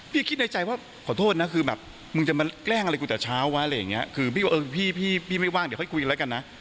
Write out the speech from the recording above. คิดในใจว่าขอโทษนะคือแบบมึงจะมาแกล้งอะไรกูแต่เช้าวะอะไรอย่างเงี้ยคือพี่ก็เออพี่พี่ไม่ว่างเดี๋ยวค่อยคุยกันแล้วกันนะ